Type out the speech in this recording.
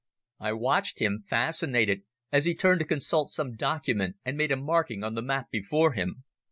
I watched him, fascinated, as he turned to consult some document and made a marking on the map before him.